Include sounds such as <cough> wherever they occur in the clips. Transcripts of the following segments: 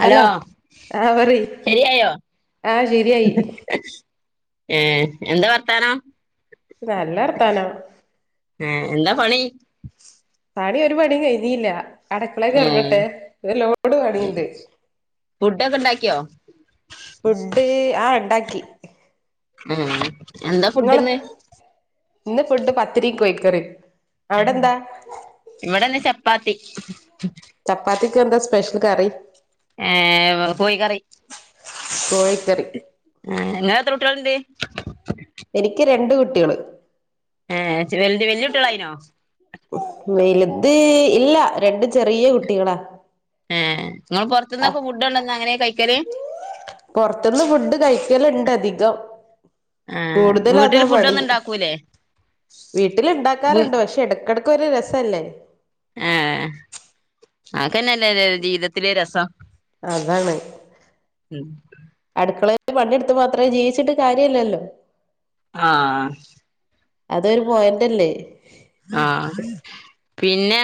Hello ആ പറി ശരിയായോ ആ ശരിയായി ഏഹ് എന്താ വർത്താനം നല്ല വർത്താനം ഹ എന്താ പണി പണി ഒരു പണിയും കഴിഞ്ഞീല്ല അടയ്ക്കളെക്ക്‌ ഏ ഇറങ്ങട്ടെ ഒരു ലോഡ് പണിയുണ്ട് ഫുഡ് ഒക്കെ ഉണ്ടാക്കിയോ ഫുഡ് ആ ഇണ്ടാക്കി ഉം നിങ്ങള് ഇന്ന് ഫുഡ് പത്തിരിയും കോഴിക്കറിയും അവിടെ എന്താ ഇവിടെ ഇന്ന് ചപ്പാത്തി ചപ്പാത്തിക്ക് എന്താ സ്പെഷ്യൽ കറി ഏഹ് കോഴി കറി കോഴിക്കറി ആഹ് ഇങ്ങളത്ര കുട്ട്യാള്ണ്ട് എനിക്ക് രണ്ട് കുട്ടികള് ഏ വലു വല്ല്യകുട്ട്യാള്ളായിനോ വെല്ത് ഇല്ല രണ്ട് ചെറിയ കുട്ടികളാ ഏഹ് ഇങ്ങൾ ആ പുറത്തുന്നൊക്കെ ഫുഡ് കൊണ്ടന്ന് അങ്ങനെയ കഴിക്കല് പുറത്തുന്ന് ഫുഡ് കഴിക്കലുണ്ട് അധികം ഏ വീട്ടിൽ കൂടുതലാതാ പണി ഫുഡൊന്നും ഉണ്ടാക്കൂലേ വീട്ടില് വ് ഉണ്ടാക്കാറുണ്ട് പക്ഷെ ഇടക്കട ഒക്കൊര് രസല്ലേ ആഹ് ആക്കന്നല്ലേ ഒരു ജീവിതത്തില് രസം അതാണ് ഉം. അട്ക്കളേത്ത പണിട്ത് മാത്രം ജീവിച്ചിട്ട് കാര്യല്ലല്ലോ ആഹ് അതൊരു പോയിന്റല്ലേ ആഹ് പിന്നെ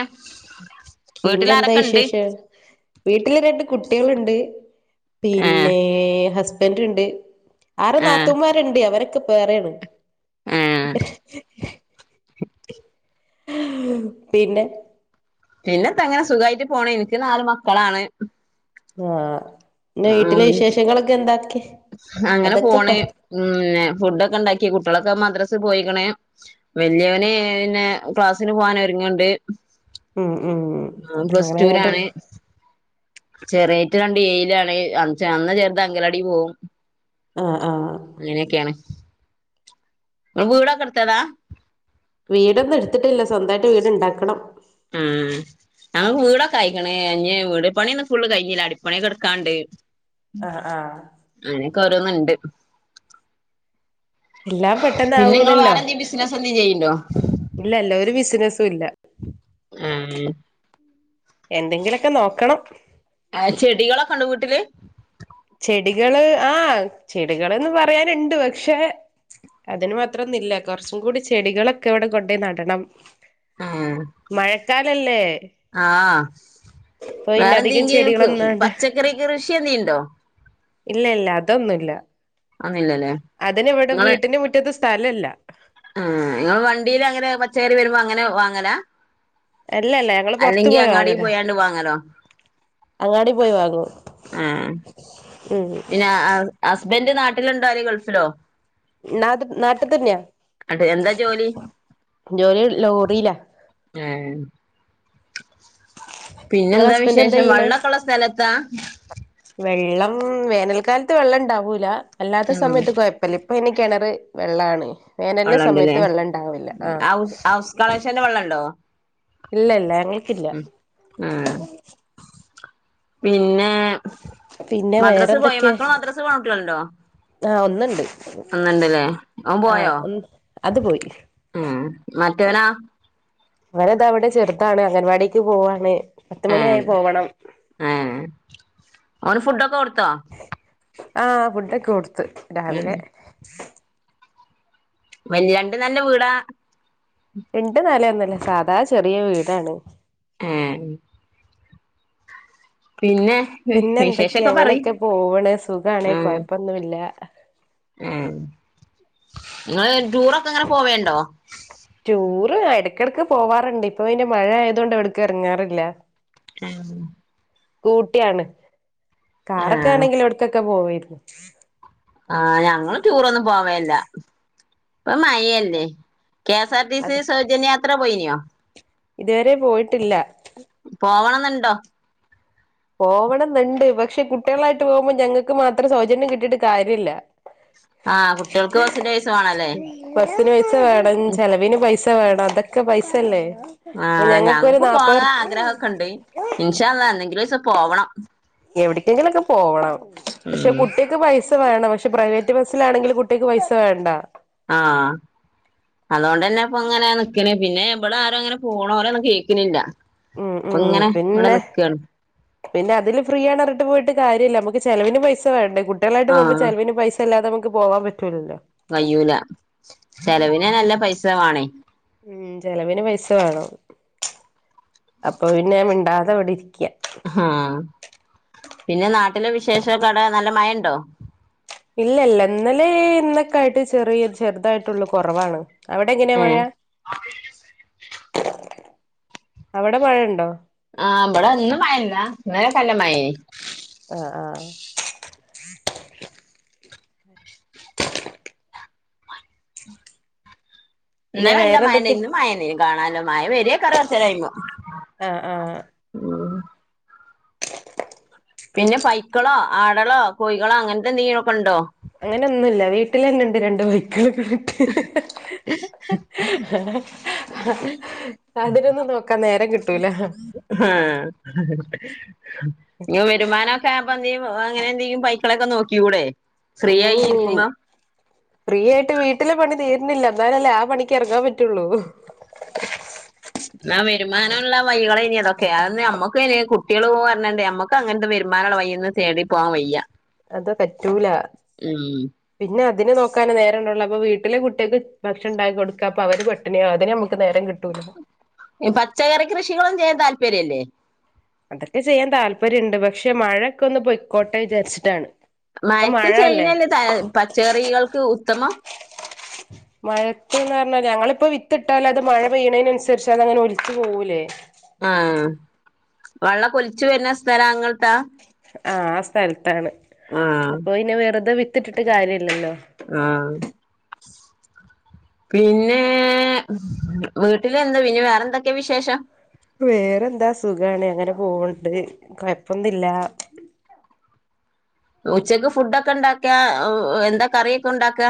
വീട്ടിൽ പിന്നെന്താ ആരൊക്കെ ഉണ്ട് വിശേഷം വീട്ടില് രണ്ട് കുട്ടികളുണ്ട് ഏ പിന്നെ ഹസ്ബന്റ് ഇണ്ട് ആര ഏ നാത്തുന്മാരുണ്ട് അവരൊക്കെ വേറെയാണ് ! ! ! ! ! ! ! ! പിന്നെ പിന്നെന്താങ്ങനെ സുഖായിട്ട് പോണ് ഇനിക്ക് നാല് മക്കളാണ് ആഹ്പിന്നെ വീട്ടിലെ ഉം വിശേഷങ്ങളൊക്കെ എന്തെക്കെ അങ്ങനെ പോണ് ഉം ഫുഡൊക്കെ ഇണ്ടാക്കി കുട്ടികളൊക്കെ മദ്രസ പോയിക്ക്‌ണ് വല്യയോന് പിന്നെ ക്ലാസ്സിന് പോകൻ ഒരുങ്ങ്ണ്ട് ഉം ഉം അങ്ങനങ്ങട്ട് ചെറിയേറ്റ രണ്ട് ഏയിലാണ് നന്ന ചേറ്ത് അങ്കലാടി പോകും ആ ആ അങ്ങനെയൊക്കെയാണ് ഇങ്ങള് വീടൊക്കെട്ത്തതാ വീടൊന്നു ഇട്ത്തിട്ടില്ല സ്വന്തായിട്ട് വീട്ണ്ടാക്കണം ആഹ് ഞങ്ങക്ക് വീടൊക്കയ്ക്ക്ണ് ഞ്ഞ് വീട് പണിന്നും ഫുള് കഴിഞ്ഞില്ല അടിപ്പണിയൊക്കെട്ക്കാണ്ട് ആഹ് ആഹ് അങ്ങനെയൊക്കെരോന്ന്ണ്ട് എല്ലാം പെട്ടെന്ന് പിന്നെ നിങ്ങള് ആവൂലല്ലോ വേറെന്തേലും ബിസിനസ് എന്തേലും ചെയ്യണ്ടോ ഇല്ലല്ല ഒരു ബിസിനസും ഇല്ല ഏഹ് എന്തെങ്കിലൊക്കെ നോക്കണം ആഹ് ചെടികളൊക്കണ്ടോ വീട്ടില് ചെടികള് ആഹ് ചെടികൾന്ന് പറയാനുണ്ട് പക്ഷെ അതിന് മാത്രംന്നില്ല കുറച്ചും കൂടി ചെടികളൊക്കെ ഇവിടെ കൊണ്ടയി നടണം ഏഹ് മഴക്കാലല്ലേ ആഹ് പ്പൊ പിന്നെ അധികം ചെടികളന്നാങ്ങട്ട് കൃ കൃഷിയെന്ന ഇണ്ടോ ഇല്ലല്ല അതൊന്നുല്യ അതൊന്നില്ലല്ലേ അതിന് ഇവിടെ വീട്ടിന്റെ മുറ്റത്ത് സ്ഥലല്ല ആഹ്‌ ങ്ങൾ വണ്ടീല് അങ്ങനെ പച്ചക്കറി വരുമ്പോ അങ്ങനെ വാങ്ങലാ അല്ലല്ല ഞങ്ങള് പൊറത്തു അല്ലെങ്കി പോയി അങ്ങാടി വാങ്ങല പോയാണ്ട് വാങ്ങലോ അങ്ങാടി പോയി വാങ്ങു ഏഹ് പിന്നെ അ ഹസ്ബൻഡ് നാട്ടിലുണ്ടോ അല്ലേ ഗൾഫിലോ നാട്ട് നാട്ടിൽ തന്നെയാ അത് എന്താ ജോലി ജോലി ലോറിയിലാ ഏഹ് നിങ്ങളെ പിന്നെന്താ ഹസ്ബൻഡ് എന്താ വിശേഷം ചെയ്യണേ വള്ളക്കെളള സ്ഥലത്താ വെള്ളം വേനൽക്കാലത്ത് വെള്ളം ഇണ്ടാവൂല അല്ലാത്ത ഉം സമയത്ത്യം കൊഴ ഇപ്പ ഇപ്പയ്ന് ക്കിണറ് വെള്ളാണ് വേനല്ല വള്ളണ്ട്ല്ലേ സമയത്ത് വെള്ളണ്ടാവില്ല ആഹ് കളേശന്റെ വെള്ളംണ്ടോ ഇല്ലല്ല ഞങ്ങക്കില്ല ആഹ് പിന്നെ പിന്നെ മദ്രാസ് പോയ വേറെന്തൊക്കെ മക്കള് മദ്രാസ് പോണ കുട്ട്യാളുണ്ടോ ആഹ് ഒന്നുണ്ട് ഒന്നുണ്ട്ല്ലേ അവൻ ആഹ് പോയോ ഒന്ന് അത് പോയി ഉം മറ്റവനാ? അവനത അവിടെ ചെറുതാണ് അംഗൻവാടിക്ക് പോവാണ് പത്ത് ഏ മണിയായ പോകണം. ഏ അവന് ഫുഡൊക്കെ കൊടുത്തോ? ആഹ് ഫുഡൊക്കെ കൊടുത്ത് ഉം രാവിലെ വല്യ രണ്ട് നെലഞ്ഞ വീടാ. രണ്ട് നെലന്നല്ല സാധാ ചെറിയ വീടാണ്. ഏഹ് പിന്നെ. പിന്നെ എന്തൊക്കെയാ വിശേഷൊക്കെ പറി അങ്ങനെയൊക്കെ പോവണ് സുഖണ് കൊഴപ്പൊന്നുല്ല ഉം നിങ്ങള് ടൂറൊക്കെ എങ്ങനെ പോവേണ്ടോ. ടൂറ് എടക്കിടക്ക് പോവാറുണ്ട് ഇപ്പൊ പിന്നെ മഴ ആയതുകൊണ്ട് എവിട്ക്ക് ഇറങ്ങാറില്ല. എഹ് സ്കൂട്ടിയാണ് ആ കാറൊക്കെ ആണെങ്കിൽ എവിടക്കൊക്കെ പോവായിരുന്നു. ആഹ് ഞങ്ങള് ടൂറൊന്നും പോവേല്ല ഇപ്പ മഴയല്ലേ. കെ സാർ ടി സി അത് സൗജന്യയാത്ര പോയിനിയോ? ഇതുവരെ പോയിട്ടില്ല. പോവണെന്നുണ്ടോ. പോവണന്നുണ്ട് പക്ഷെ കുട്ടികളായിട്ട് പോകുമ്പോ ഞങ്ങക്ക് മാത്രം സൗജന്യം കിട്ടിട്ട് കാര്യല്ല. ആഹ് കുട്ടികൾക്ക് ബസ്സിന്റെ പൈസ വേണല്ലേ. ബസിന് പൈസ വേണം ചെലവിന് പൈസ വേണം അതൊക്കെ പൈസല്ലേ. അപ്പൊ ആഹ് ഞങ്ങക്കൊരു ഞങ്ങക്ക് പോകാൻ നാപ്പത് ആഗ്രഹൊക്കെ ണ്ട് ഇൻഷാ അല്ലാഹ് എന്നെങ്കിലും ഒരുസം പോവണം എവിടെക്കെങ്കിലും ഒക്കെ പോവണം പക്ഷെ ഉം കുട്ടികക്ക് പൈസ. വേണം പക്ഷെ പ്രൈവറ്റ് ബസ്സിലാണെങ്കിൽ കുട്ടിക്ക് പൈസ വേണ്ട. ആഹ് അതോണ്ടന്നെ പ്പൊ ഇങ്ങനെ നിക്ക്ണ പിന്നെ ഇവിട ആരുംങ്ങനെ പോണോര ഒന്നും കേക്കണില്ല. ഉം ഉം പിന്നെ. പിന്നെ അതിൽ ഫ്രീയാണ് പറഞ്ഞിട്ട് പോയിട്ട് കാര്യല്ല. നമുക്ക് ചെലവിന് പൈസ വേണ്ടേ കുട്ടികളായിട്ട് പോകുമ്പോ ആഹ് ചെലവിന് പൈസ. ഇല്ലാതെ നമക്ക് പോകാൻ പറ്റൂലല്ലോ. കയ്യൂല ചെലവിനന്നെ നല്ല പൈസ വേണേ. ഉം ചെലവിന് പൈസ വേണം അപ്പൊ പിന്നെ മിണ്ടാതെ ഇവിടെരിക്കാ. ആ പിന്നെ നാട്ടിലെ വിശേഷ കട നല്ല മഴണ്ടോ. ഇല്ലല്ല ഇന്നലെ ഇന്നൊക്കായിട്ട് ചെറിയ ചെറുതായിട്ടുള്ള കൊറവാണ്. അവിടെ എങ്ങനെയാ മഴ. ഏഹ് അവിടെ മഴണ്ടോ. ആഹ് ഇവിടെ ഇന്ന് മയല്ല ഇന്നലെകല്ല മയനി. ആഹ് ആഹ്. ഇന്നലെ പിന്നെ നല്ല വേറെ മയന്നെ എന്തൊക്കെ ഇന്നും മയന്നെ <unintelligible> മയ വരേകാരും കുറച്ചേരം കയ്യുമ്പോ. ആഹ് ആഹ്. ഉം. പിന്നെ പൈക്കളോ ആടളോ കോഴികളോ അങ്ങനത്തെ എന്തെങ്കിലും ഒക്കെ ഉണ്ടോ അങ്ങനൊന്നുല്ല വീട്ടിൽ തന്നെണ്ട് രണ്ട് പൈക്കള്. <inaudible> അതിനൊന്നും നോക്കാൻ നേരം കിട്ടൂല. ഹാ വരുമാനൊക്കെ <unintelligible> അങ്ങനെ എന്തെങ്കും പൈക്കളൊക്കെ നോക്കികൂടെ. <unintelligible> ഫ്രീ ആയിട്ട് വീട്ടിലെ പണി തീരുന്നില്ല എന്നാലല്ലേ ആ പണിക്ക് ഇറങ്ങാൻ പറ്റുള്ളൂ. ആ വരുമാനോള്ള വൈകള ഇനി ഇതൊക്കെ അ നമ്മക്ക് കുട്ടികള് പോ പറഞ്ഞണ്ടേമ്മക്ക്. അങ്ങനത്തെ വരുമാനള്ള വയ്യൊന്നും തേടി പോവാൻ വയ്യാ. അത് പറ്റൂല പിന്നെ അതിനെ നോക്കാനെ നേരണ്ടാവോളു അപ്പൊ വീട്ടിലെ കുട്ടികൾക്ക് ഭക്ഷണം ഉണ്ടാക്കി കൊടുക്കാ അപ്പൊ അവര് പ ഇനി അതിന് നമക്ക് നേരം കിട്ടൂല്ല പച്ചക്കറി കൃഷികളും ചെയ്യാൻ താല്പര്യം ഇല്ലേ അതൊക്കെ ചെയ്യാൻ താല്പര്യണ്ട് പക്ഷെ മഴൊക്കെ ഒന്ന് പൊയിക്കോട്ടെ വിചാരിച്ചിട്ടാണ് ഇപ്പൊ മയത്ത് മഴ അല്ലേ ചൈനല്ലേ പച്ചക്കറികൾക്ക് ഉത്തമം <inaudible> മഴത്തുന്ന് പറഞ്ഞാല് ഞങ്ങളിപ്പോ വിത്തിട്ടാൽ അത് മഴ പെയ്യണതിനനുസരിച്ച് അത് അങ്ങനെ ഒലിച്ച് പോകൂലേ ആ വെള്ളക്കെ ഒലിച്ച് വരുന്ന സ്ഥലാ ഇങ്ങൾടെ ആഹ് ആ സ്ഥലത്താണ് ആഹ് അപ്പൊ പിന്നെ വെറുതെ വിത്തിട്ടിട്ട് കാര്യല്ലല്ലോ ആഹ് പിന്നെ വീട്ടിലെന്താ പിന്നെ വേറെന്തൊക്കെയാ വിശേഷം വേറെന്താ സുഖാണ് അങ്ങനെ പോവ്ണ്ട് കൊയപ്പൊന്നുല്ല ഉച്ചക്ക് ഫുഡ് ഒക്കെ ഇണ്ടാക്യാ എന്താ കറിയൊക്കെ ഉണ്ടാക്കാ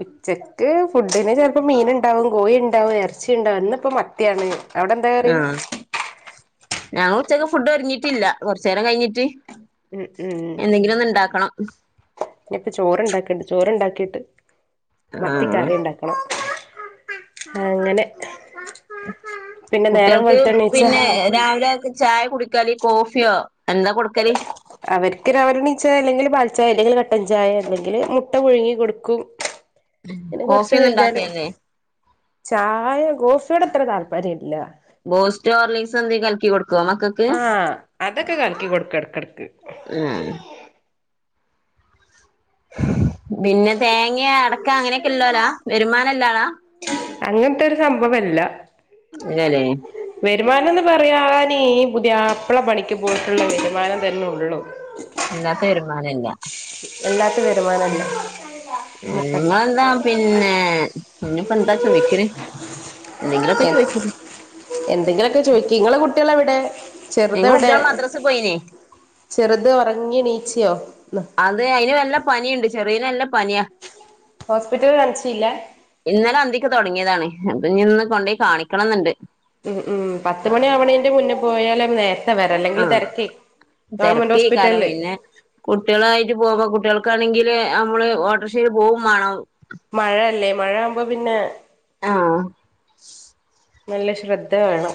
ഉച്ചക്ക് ഫുഡിന് ചെലപ്പോ മീൻ ണ്ടാവും കോയിണ്ടാവും ഇറച്ചി ണ്ടാവും ഇന്നിപ്പോ മത്തിയാണ് അവിടെ എന്താ കറി ആ ഞങ്ങൾ ഉച്ചക്ക് ഫുഡ് ഒരുങ്ങിട്ടില്ല കൊറചേരം കഴിഞ്ഞിട്ട് ഉം ഉം എന്തെങ്കിലും ഒന്ന് ഉണ്ടാക്കണം ഇനിപ്പ ചോറ്ണ്ടാക്കിണ്ട് ചോറ്ണ്ടാക്കിട്ട് മത്തി ആഹ് കറി ഉണ്ടാക്കി ഒളൊ അങ്ങനെ. പിന്നെ നേരം കുട്ട്യൾക്ക് വെളുത്തെണീച്ച പിന്നെ രാവിലെ ചായ കുടിക്ക ലി കോഫിയോ എന്താ കൊട്ക്കല്. അവര്ക്ക് രവിലെണീച അല്ലെങ്കിൽ പാൽചായ അല്ലെങ്കിൽ കട്ടൻ ചായ അല്ലെങ്കിൽ മുട്ട പുഴുങ്ങി കൊടുക്കും. പിന്നെ കൊറച്ച് കോഫിയൊന്നു കഴിഞ്ഞാല് ണ്ടാക്കേല്ലേ. ചായ ഗോഫിയോടെ അത്ര താല്പര്യല്ല. ബോസ്റ്റോ ഓർലിസ് എന്തെ കൽക്കി കൊട്ക്കോ മക്ക- ആഹ് അതക്കെ കൽക്കി കൊട്ക്കെട്ക്കട്ക്ക്. ആഹ്. ബിന്നെ തേങ്ങെ അട്ക്ക അങ്ങനെ ക്കെല്ലോലാ വരുമാനല്ലാ ആലാ. അങ്ങൻത്തൊരു സംഭവല്ല. ല്ല ലേ. വരുമാനം ന്ന് പറയാന് പുതിയാപ്ല പണിക്ക് പോയിട്ടുള്ള വരുമാനം തന്നൊള്ളു. അല്ലാത്ത വരുമാന ഇല്ല. എല്ലാത്ത വരുമാനംല്ല. അ്ന്നാന്താ പിന്നെ ഇന്ത്പ്പ ന്താ ചോയ്ക്കല്. എന്തെങ്കിലൊക്കെ ചോയ്ച്ചോ എന്തെങ്കിലൊക്കെ ചോയ്ക്കി ങ്ങളെ കുട്ട്യളെവിടെ ചെർതെവിടെ? ത് പൊയ്നെ. ചെറുത് ഒറങ്ങി എണിചിയോ. അത് അയ്ന് വല്ല പനിണ്ട് ചെറി നല്ല പന്യ. ഹോസ്പിറ്റല് കാൺച്ചില്ല. ഇന്നല അന്തിക് തൊട്ങ്ങ്യതാണ് അപ്പൊ ഞ്ന്ന് കൊണ്ടേയി കാണിക്കണം ന്ന്ണ്ട്. ഉം ഉം പത്ത് മണി ആവണേന്റെ മുന്നേ പോയാലും നേര വരാ അല്ലെങ്കിൽ ആഹ് തെരെക്കേ, തിരക്കേക്കാരം ഗവൺമെൻഡോസ്പിറ്റലില്. പിന്നെ കുട്ടികളായിട്ട് പോകു കുട്ടികൾക്കാണെങ്കില് അമ്മള് ഓട്ടോറിഷയിൽ പോവും വേണം. മഴയല്ലേ മഴാവുമ്പോ പിന്നെ. ആഹ്. നല്ല ശ്രദ്ധ വേണം.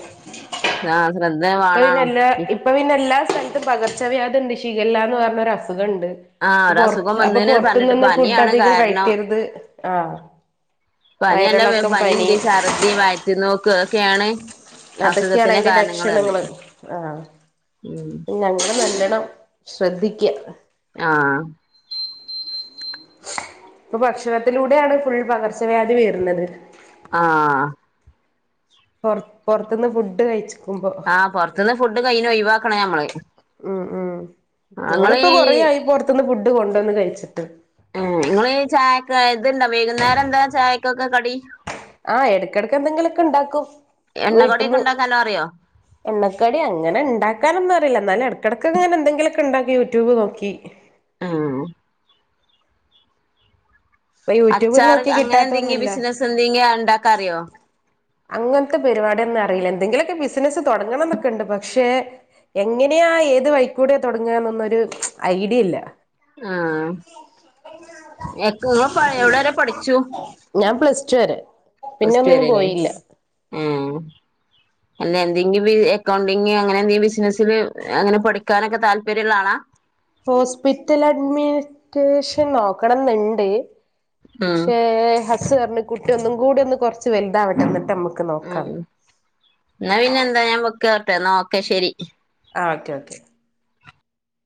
ആഹ് ശ്രദ്ധ വ- പ്പ പിന്നെ എല്ലാ ഇപ്പൊ പിന്നെ എല്ലാ സ്ഥലത്തും പകർച്ചവ്യാധി ണ്ട് ശിഖല്ല ന്ന് പർഞ്ഞരസുഖ ണ്ട്. ആഹ് പൊ പൊർ ഒരസുഖം അപ്പൊ വന്നേന് പൊരത്തുന്ന പറഞ്ഞിട്ട് ന്ന് പനിയാണ് ഫുഡധികം കാരണം കഴിക്കരുത് ആഹ്. പന്യല്ല വേ വയറിളക്കം പനി പനിണ്ട് ഛർദി വയറ്റ് ന്നോക്ക് ക്കേണ് അസുഖത്തിന്റെ കാരണങ്ങ റ്റന്നങ്ങള് ആ ഞങ്ങള് നല്ലണം ശ്രദ്ധിക്ക്യ. ആഹ്. പ്പ ഭക്ഷണത്തിലൂടെയാണ് ഫുൾ പകർച്ചവ്യാധി വെര്ന്നത്. ആഹ് പൊർ പോർത്ത്ന്ന് ഫുഡ് കഴിച്ചു ആഹ് പുറത്ത്ന്ന് ഫുഡ് കഴിയുന്നു ഒഴിവാക്കണം നമ്മള്. ഉം ഉം ഞങ്ങളിപ്പോ കൊറേയായി പൊറത്തൂന്ന് ഫുഡ് കൊണ്ടുന്ന്‌ കഴിച്ചിട്ട് ഉം ഇങ്ങളീ ചായക് ഇത്ണ്ടാ വൈകുന്നേരെന്താ ചായക്കൊക്കെ കടി? ആ എട്കെടേക്കു എന്തെങ്കിലൊക്കെ ഇണ്ടാക്കും എണ്ണ കടിയൊക്കെ വീട്ടീനു. ഉണ്ടാക്കാല്ലോ അറിയോ എണ്ണക്കടി അങ്ങനെ ണ്ടാക്കാനൊന്നു റിയില്ല എന്നാലും എടേകെടേക്കു ഞാനെ ന്തെങ്കിലൊക്കെ ഉണ്ടാക്കി യൂട്യൂബ് നോക്കി ആഹ് ഇപ്പൊ യൂട്യൂബിൽ അച്ചാറ് നോക്കി അങ്ങനെ ന്തെങ്കി കിട്ടാത്തൊന്നുമില്ല ബിസിനസ്സ് ന്തെങ്കി ഇണ്ടാക്കറിയ്യോ. അങ്ങൻത്തെ പരിപാടിഒന്നറീയല്ല. എന്തെങ്കിലൊക്കെ ബിസിനസ്സ് തൊടങ്ങണം എന്നൊക്കെണ്ട് പക്ഷെ, എങ്ങനെയാ ഏത് വഴിക്കോട്യ തൊടങ്ങുവാ നൊന്നും ഒരു ഐഡിയയില്ല. ആഹ് എക്ക് നിങ്ങൾ എവിടെ വരെ പഠിച്ചു. ഞാൻ പ്ലസ് ടു വരെ. പിന്നെ പ്ലസ് ടു ഒന്നിനും വരല്ലേ പോയില്ല ആഹ് അല്ല എന്തെങ്കിൽ വി എക്കൗണ്ടിങ്ങ് അങ്ങനെ എന്തേൽ ബിസിനസ്സില് അങ്ങനെ പഠിക്കാനൊക്ക താല്പര്യള്ള ആളാ. ഹോസ്പിറ്റൽ അഡ്മിനിറ്റേഷൻ നോക്കണന്നുണ്ട്. ഉം ക്ഷേ ഹസ്സ് പറഞ്ഞു കുട്ടി ഒന്നും കൂടി ഒന്ന് കൊറച്ച് വൽത്താവട്ടെ എന്നിട്ട്മ്മക്ക് ഉം എന്നാ പിന്നെ എന്താ ഞാൻ വെക്കാ ട്ടേ ന്നാ ഓകെ ശെരി. ആ ഓക്കേ ഓക്കെ.